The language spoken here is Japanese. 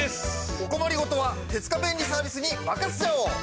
お困り事は手塚便利サービスに任せちゃおう！